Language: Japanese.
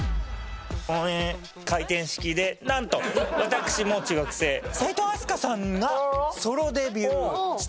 これ回転式でなんと私もう中学生齋藤飛鳥さんがソロデビューした時の。